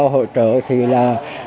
hỗ trợ thì là